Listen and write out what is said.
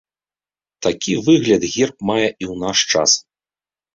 Такі выгляд герб мае і ў наш час.